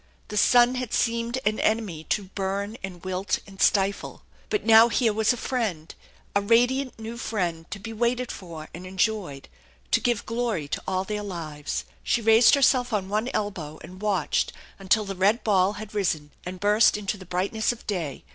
The sun had seemed an enemy to burn and wilt and stifle. But now here was a friend, a radiant new friend, to be waited for and enjoyed, to give glory to all their lives. She raised herself on one elbow and watched until the red ball had risen and burst into the brightness of day.